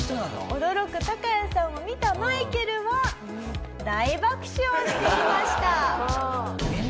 驚くタカヤさんを見たマイケルは大爆笑していました。